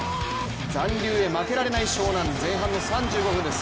残留へ負けられない湘南前半の３５分です。